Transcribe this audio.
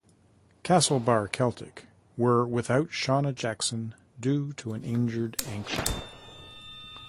Castlebar Celtic were without Shauna Jackson due to an injured ankle.